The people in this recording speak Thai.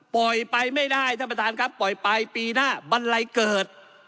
ไปไม่ได้ท่านประธานครับปล่อยไปปีหน้าบันไลเกิด